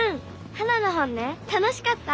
ハナの本ね楽しかった。